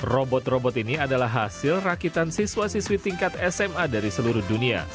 robot robot ini adalah hasil rakitan siswa siswi tingkat sma dari seluruh dunia